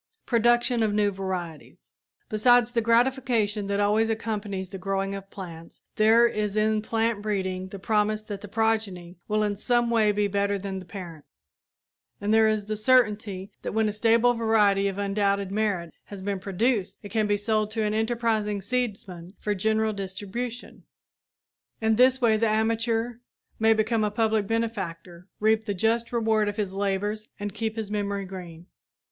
PRODUCTION OF NEW VARIETIES Besides the gratification that always accompanies the growing of plants, there is in plant breeding the promise that the progeny will in some way be better than the parent, and there is the certainty that when a stable variety of undoubted merit has been produced it can be sold to an enterprising seedsman for general distribution. In this way the amateur may become a public benefactor, reap the just reward of his labors and keep his memory green!